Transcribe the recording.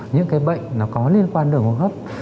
những cái bệnh nó có liên quan đường hỗn hợp